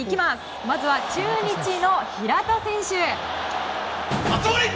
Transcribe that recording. まずは中日の平田選手！